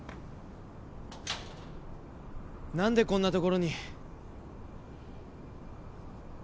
なんでこんなところに。